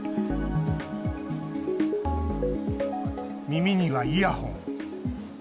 耳にはイヤホン。